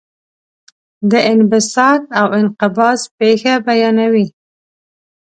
د انبساط او انقباض پېښه بیانوي.